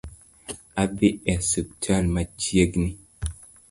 Adhi e osiptal machiegni